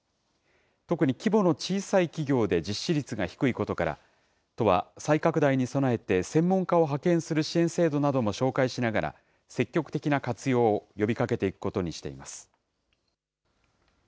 特に規模の小さい企業で実施率が低いことから、都は再拡大に備えて専門家を派遣する支援制度なども紹介しながら、積極的な活用を呼びかけていくことにしています。